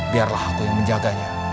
biarlah aku yang menjaganya